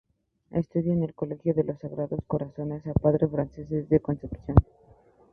Estudió en el Colegio de los Sagrados Corazones o Padres Franceses de Concepción.